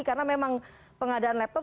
karena memang pengadaan laptop